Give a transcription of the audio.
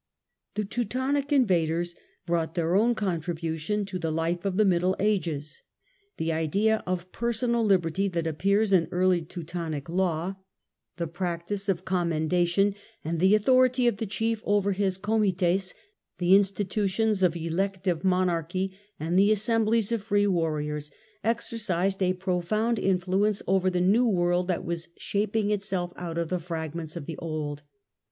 The Teutonic invaders brought their own contribution Teutonic to the life of the Middle Ages. The idea of personal ideaa liberty that appears in early T eutonic law, the pra ctice of_ 4 THE DAWN OF MEDIAEVAL EUROPE com mendation and the_ authority of th j3_g]iiejLQy.er his comi t£&, the insti tutio ns of elective monarchy and of the assemblies of free warriors, ""exercised a profound in fluence over tfoTnew world that was shaping itself out of the fragments of the old.